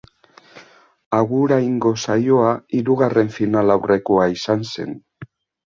Aguraingo saioa hirugarren finalaurrekoa izan zen.